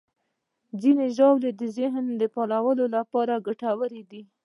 ځینې ژاولې د ذهني فعالیت لپاره ګټورې دي.